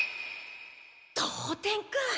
同点か。